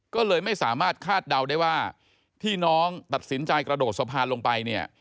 ก็เลยไม่สามารถคาดเดาได้ว่าที่น้องตัดสินใจกระโดดสะพานลงไปเนี่ย